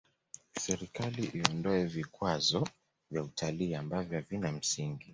serikali iondoe vikwazo vya utalii ambavyo havina msingi